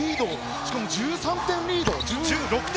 しかも１６点リード。